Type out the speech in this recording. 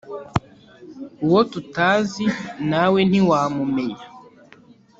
uwo tutazi nawe ntiwa mumenya